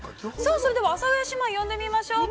それでは阿佐ヶ谷姉妹、呼んでみましょうか。